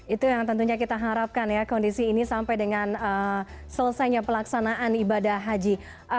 itu yang tentunya kita harapkan ya kondisi ini sampai dengan selesainya pelaksanaan ibadah haji